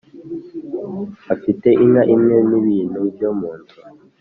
afite inka imwe n’ibintu byo munzu